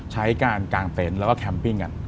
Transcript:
ใช้การกางเต็นต์แล้วก็แคมปิ้งกัน